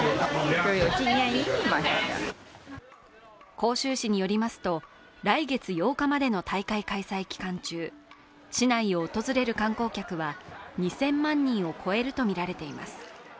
杭州市によりますと来月８日までの大会開催期間中、市内を訪れる観光客は２０００万人を超えるとみられています。